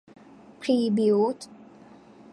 พรีบิลท์